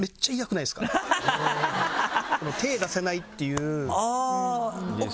手出せないっていう。